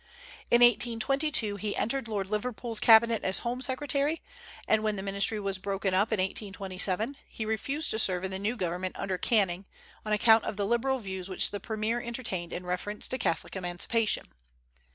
In 1822 he entered Lord Liverpool's cabinet as home secretary; and when the ministry was broken up in 1827, he refused to serve in the new government under Canning, on account of the liberal views which the premier entertained in reference to Catholic emancipation.